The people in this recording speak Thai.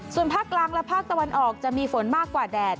ส่วนภาคกลางและภาคตะวันออกจะมีฝนมากกว่าแดด